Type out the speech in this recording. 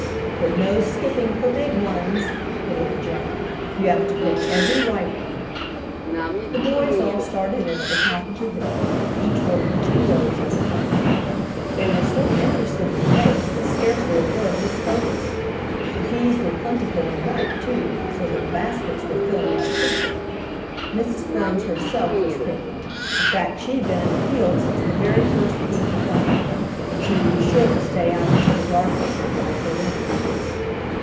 "But no skipping for big ones," put in Jack. "You have to pick every ripe one." The boys all started in at the top of the hill, each working two rows at a time. They were so interested in the race that scarcely a word was spoken. The peas were plentiful and ripe too, so that the baskets were filling up quickly. Mrs. Burns herself was picking, in fact she had been in the field since the very first peep of dawn, and she would be sure to stay out until the darkness would drive her in.